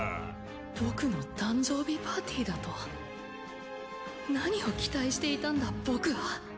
僕の誕生日パーティーだと。何を期待していたんだ僕は。